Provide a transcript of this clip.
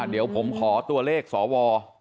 เดี๋ยวผมขอตัวเลขสว